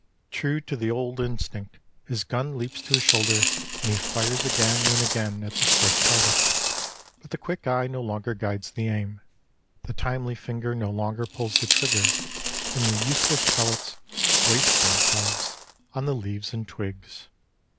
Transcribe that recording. True to the old instinct his gun leaps to his shoulder, and he fires again and again at the swift target. But the quick eye no longer guides the aim, the timely finger no longer pulls the trigger, and the useless pellets waste themselves on the leaves and twigs.